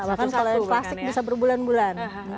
bahkan kalau plastik bisa berbulan bulan